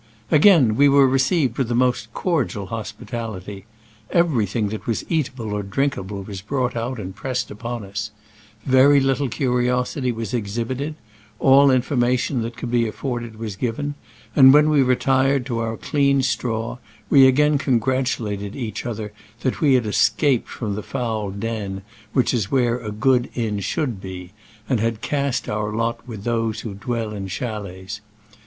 Again we were received with the most cordial hospitality. Everything that was eatable or drinkable was brought out and pressed upon us ; very litde curiosity was exhibited ; all information that could be afforded was given; and when we retired to our clean straw we again con gratulated each other that we had es caped from the foul den which is where a good inn should be, and had cast in our lot with those who dwell in chalets.